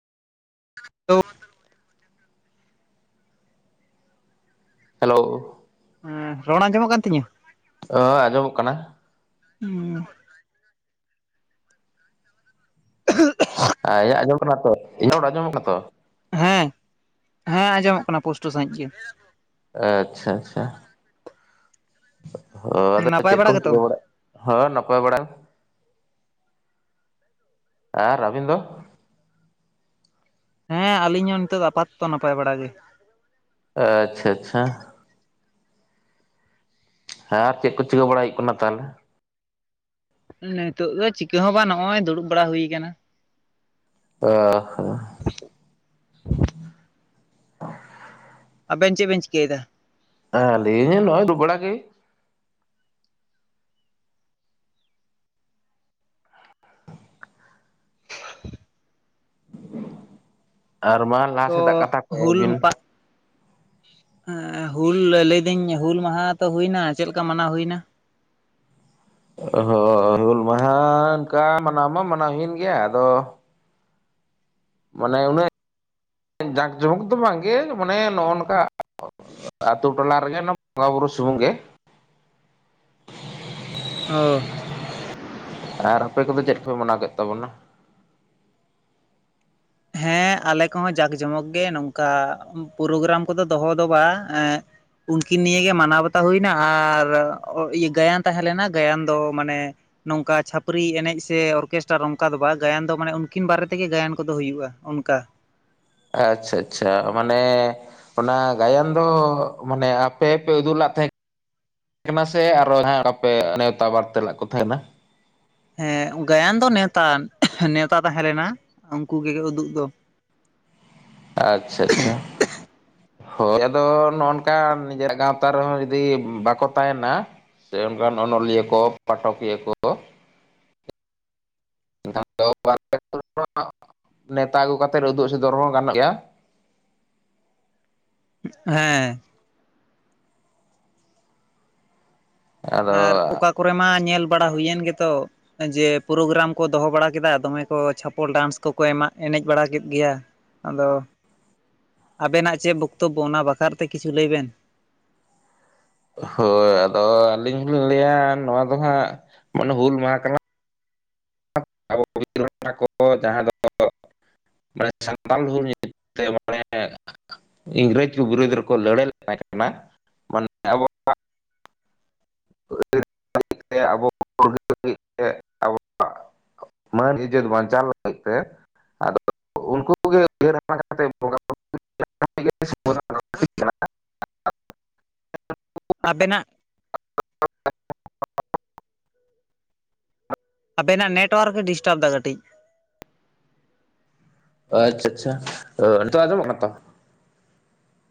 [inaudible] Hello, ᱦᱮᱸ, ᱨᱚᱲ ᱟᱸᱡᱚᱢᱚᱜ ᱠᱟᱱ ᱛᱤᱧᱟᱹ? ᱚ ᱟᱡᱚᱢᱚᱜ ᱠᱟᱱᱟ, ᱩᱸ, [inaudible] ᱟ ᱭᱟᱜ ᱟᱸᱡᱚᱢᱚᱜ ᱠᱟᱱᱟ ᱛᱚ, ᱤᱧᱟᱹᱜ ᱨᱚᱲ ᱟᱸᱡᱚᱢᱚᱜ ᱠᱟᱱᱟ ᱛᱚ? ᱦᱮᱸ, ᱦᱮᱸ, ᱟᱸᱡᱚᱢᱚᱜ ᱠᱟᱱᱟ ᱯᱳᱥᱴᱳᱹ ᱥᱟᱺᱦᱤᱡ ᱜᱮ᱾ ᱟᱻᱪᱪᱷᱟ ᱪᱪᱷᱟ, ᱦᱚ ᱟᱫᱚ ᱱᱟᱯᱟᱭ ᱪᱮᱫ ᱵᱟᱲᱟ ᱠᱚᱢ ᱜᱮᱛᱚ? ᱪᱤᱠᱟᱹ ᱵᱟᱲᱟᱜ? ᱦᱚ, ᱱᱚᱯᱟᱭ ᱵᱟᱲᱟᱝ ᱟᱨ ᱟᱹᱵᱤᱱ ᱫᱚ? ᱦᱮᱸ ᱟᱞᱤᱧ ᱦᱚᱸ ᱱᱤᱛᱚᱜ ᱫᱚ ᱟᱯᱟᱛᱚᱛᱚ ᱱᱟᱯᱟᱭ ᱵᱟᱲᱟ ᱜᱮ ᱾ ᱟᱪᱪᱷᱟ ᱟᱪᱪᱷᱟ ᱦᱮᱸ ᱟᱨ ᱪᱮᱫ ᱠᱚ ᱪᱤᱠᱟᱹ ᱵᱟᱲᱟᱭ ᱦᱩᱭᱩᱜ ᱠᱟᱱᱟ ᱛᱟᱦᱞᱮ? ᱱᱤᱛᱚᱜᱜ ᱫᱚ ᱪᱤᱠᱟᱹ ᱦᱚᱸ ᱵᱟᱝ ᱱᱚᱜᱼᱚᱭ ᱫᱩᱲᱩᱵ ᱵᱟᱲᱟ ᱦᱩᱭ ᱟᱠᱟᱱᱟ ᱾ ᱚ ᱦᱚᱸ ᱟᱵᱮᱱ ᱪᱮᱫ ᱵᱮᱱ ᱪᱤᱠᱟᱹᱭᱫᱟ? ᱦᱮᱸ ᱟᱞᱤᱧ ᱫᱚ ᱱᱚᱜ-ᱚᱭ ᱫᱩᱲᱩᱵ ᱵᱟᱲᱟ ᱜᱮ ᱾ ᱟᱨ ᱵᱟᱝ ᱛᱚ ᱦᱩᱞ ᱯᱟ ᱦᱮᱸ ᱦᱩᱞ ᱞᱟᱹᱭᱫᱟᱹᱧ ᱦᱩᱞ ᱢᱟᱦᱟ ᱛᱚ ᱦᱩᱭᱮᱱᱟ, ᱪᱮᱫ ᱞᱮᱠᱟ ᱢᱟᱱᱟᱣ ᱦᱩᱭᱱᱟ? ᱚᱦ ᱦᱩᱞ ᱢᱟᱦᱟ ᱚᱱᱠᱟ ᱢᱟᱱᱟᱣ ᱢᱟ ᱢᱟᱱᱟᱣ ᱦᱩᱭᱮᱱ ᱜᱮᱭᱟ ᱟᱫᱚ ᱢᱟᱱᱮ ᱩᱱᱟᱹᱜ ᱡᱟᱸᱠ ᱡᱚᱢᱚᱠ ᱫᱚ ᱵᱟᱝᱜᱮ ᱢᱟᱱᱮ ᱱᱚᱜᱼᱚ ᱱᱚᱝᱠᱟ ᱚ ᱟᱛᱩ ᱴᱚᱞᱟ ᱨᱮᱜᱮ ᱚᱱᱟ ᱵᱚᱸᱜᱟ ᱵᱩᱨᱩ ᱥᱩᱢᱩᱝ ᱜᱮ ᱾ ᱚ ᱟᱨ ᱟᱯᱮ ᱠᱚᱫᱚ ᱪᱮᱫ ᱞᱮᱠᱟ ᱯᱮ ᱢᱟᱱᱟᱣ ᱠᱮᱫ ᱛᱟᱵᱚᱱᱟ? ᱦᱮᱸ ᱟᱞᱮ ᱠᱚᱦᱚᱸ ᱡᱟᱸᱠᱼᱡᱚᱢᱚᱠ ᱜᱮ ᱱᱚᱝᱠᱟ ᱯᱨᱳᱜᱨᱟᱢ ᱠᱚᱫᱚ ᱫᱚᱦᱚ ᱫᱚ ᱵᱟᱝ ᱮᱸᱜ ᱾ ᱩᱱᱠᱤᱱ ᱱᱤᱭᱮ ᱜᱮ ᱢᱟᱱᱟᱣ ᱵᱟᱛᱟᱣ ᱦᱩᱭᱱᱟ ᱟᱨ ᱜᱟᱭᱟᱱ ᱛᱟᱦᱮᱸ ᱞᱮᱱᱟ ᱜᱟᱭᱟᱱ ᱫᱚ ᱢᱟᱱᱮ ᱱᱚᱝᱠᱟ ᱪᱷᱟᱹᱯᱨᱤ ᱮᱱᱮᱡ ᱥᱮ ᱚᱨᱠᱮᱥᱴᱟᱨ ᱚᱝᱠᱟ ᱫᱚ ᱵᱟ ᱜᱟᱭᱟᱱ ᱫᱚ ᱢᱟᱱᱮ ᱩᱱᱠᱤᱱ ᱵᱟᱨᱮ ᱛᱮᱜᱮ ᱜᱟᱭᱟᱱ ᱠᱚᱫᱚ ᱦᱩᱭᱩᱜᱼᱟ ᱾ ᱩᱱ ᱠᱟ ᱟᱪᱪᱷᱟ ᱟᱪᱪᱷᱟ ᱢᱟᱱᱮ ᱚᱱᱟ ᱜᱟᱭᱟᱱ ᱫᱚ ᱢᱟᱱᱮ ᱟᱯᱮ ᱯᱮ ᱩᱫᱩᱟᱜ ᱞᱟᱜ ᱛᱟᱦᱮᱸᱫ ᱠᱟᱱᱟ ᱥᱮ ᱟᱨᱦᱚᱸ ᱡᱟᱦᱟᱸᱭ ᱟᱯᱮ ᱱᱮᱶᱛᱟ ᱵᱟᱨᱛᱮᱞᱜ ᱠᱚ ᱛᱟᱦᱮᱸᱱᱟ? ᱦᱮᱸ ᱜᱟᱭᱟᱱ ᱫᱚ ᱱᱮᱶᱮᱛᱟᱱ ᱱᱮᱶᱛᱟ ᱛᱟᱦᱮᱸ ᱞᱮᱱᱟ ᱩᱱᱠᱩ ᱜᱮ ᱩᱫᱩᱜ ᱫᱚ ᱾ ᱟᱪᱪᱷᱟ ᱟᱪᱪᱷᱟ ᱦᱳᱭ ᱟᱫᱚ ᱱᱚᱜ-ᱚ ᱱᱚᱝᱠᱟ ᱱᱤᱡᱮᱨᱟᱜ ᱜᱟᱶᱛᱟ ᱨᱮᱦᱚᱸ ᱡᱩᱫᱤ ᱵᱟᱠᱚ ᱛᱟᱦᱮᱱᱟ ᱥᱮ ᱚᱱᱠᱟᱱ ᱚᱱᱚᱞᱤᱭᱟᱹ ᱠᱚ ᱯᱟᱴᱷᱚᱠᱤᱭᱟᱹ ᱠᱚ ᱮᱱᱠᱷᱟᱱ ᱫᱚ [inaudible] ᱱᱮᱶᱛᱟ ᱟᱹᱜᱩ ᱠᱟᱛᱮᱜ ᱩᱫᱩᱜ ᱥᱮᱚᱫᱚᱨ ᱦᱚᱸ ᱜᱟᱱᱚᱜ ᱜᱮᱭᱟ ᱾ ᱦᱮᱸ ᱟᱫᱚ ᱟᱨ ᱚᱠᱟ ᱠᱚᱨᱮ ᱢᱟ ᱧᱮᱞ ᱵᱟᱲᱟ ᱦᱩᱭᱮᱱ ᱜᱮᱛᱚ, ᱡᱮ ᱯᱨᱳᱜᱨᱟᱢ ᱠᱚ ᱫᱚᱦᱚ ᱵᱟᱲᱟ ᱠᱮᱫᱟ ᱫᱚᱢᱮ ᱠᱚ ᱪᱷᱟᱯᱚᱞ ᱰᱟᱱᱥ ᱠᱚᱠᱚ ᱮᱢᱟᱜ ᱮᱱᱮᱡ ᱵᱟᱲᱟ ᱠᱮᱫ ᱜᱮᱭᱟ᱾ ᱟᱫᱚ ᱟᱵᱮᱱᱟᱜ ᱪᱮᱫ ᱵᱚᱠᱛᱚᱵᱵᱚ? ᱚᱱᱟ ᱵᱟᱠᱷᱨᱟ ᱛᱮ ᱠᱤᱪᱷᱩ ᱞᱟᱹᱭ ᱵᱮᱱ ᱾ ᱦᱳᱭ ᱟᱫᱚ ᱟᱹᱞᱤᱧ ᱦᱚᱞᱤᱧ ᱞᱟᱹᱭᱟ ᱱᱚᱣᱟ ᱫᱚ ᱦᱟᱸᱜ ᱢᱟᱱᱮ ᱦᱩᱞ ᱢᱟᱦᱟ ᱠᱟᱱᱟ ᱟᱵᱚ ᱯᱨᱳᱵᱤᱛᱨᱚ ᱠᱚᱲᱟ ᱠᱚ ᱡᱟᱸᱦᱟ ᱫᱚ ᱾ ᱢᱟᱱᱮ ᱥᱟᱱᱛᱟᱲ ᱦᱩᱞ ᱧᱩᱛᱩᱢ ᱛᱮ ᱢᱟᱱᱮ ᱤᱝᱨᱮᱡᱽ ᱠᱚ ᱵᱤᱨᱩᱫ ᱨᱮᱠᱚ ᱞᱟᱹᱲᱦᱟᱹᱭ ᱞᱮ ᱛᱟᱦᱮᱸ ᱠᱟᱱᱟ ᱢᱟᱱᱮ ᱟᱵᱚᱣᱟ [unintelligible] ᱫᱤᱠ ᱛᱮ ᱟᱵᱚ ᱾ [unintelligible] ᱢᱟᱹᱱ ᱤᱡᱛ ᱵᱟᱧᱪᱟᱣ ᱞᱟᱹᱜᱤᱫ ᱛᱮ ᱟᱫᱚ ᱩᱱᱠᱩᱮ ᱩᱭᱦᱟᱹᱨ [inaudible] ᱵᱩᱨᱩ ᱜᱮ ᱥᱚᱢᱚᱥᱥᱟ ᱠᱟᱱᱟ᱾ ᱟᱵᱮᱱᱟᱜ ᱟᱵᱮᱱᱟᱜ ᱱᱮᱴᱳᱣᱟᱨᱠ ᱮ ᱰᱤᱥᱴᱟᱯ ᱮᱫᱟ ᱠᱟᱹᱴᱤᱡ ᱾ ᱟᱪᱪᱷᱟ ᱟᱪᱪᱷᱟ, ᱚ ᱱᱤᱛᱚᱜ ᱟᱸᱡᱚᱢᱚᱜ ᱠᱟᱱᱟ ᱛᱚ?